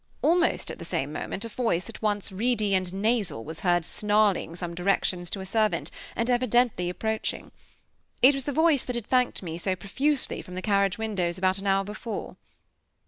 Almost at the same moment, a voice at once reedy and nasal was heard snarling some directions to a servant, and evidently approaching. It was the voice that had thanked me so profusely, from the carriage windows, about an hour before.